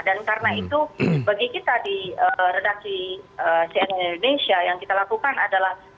dan karena itu bagi kita di redaksi cn indonesia yang kita lakukan adalah